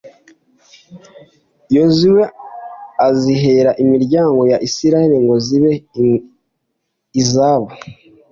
yozuwe azihera imiryango ya israheli ngo zibe izabo